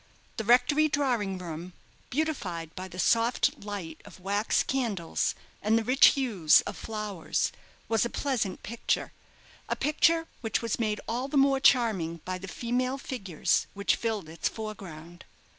The rectory drawing room, beautified by the soft light of wax candles, and the rich hues of flowers, was a pleasant picture a picture which was made all the more charming by the female figures which filled its foreground.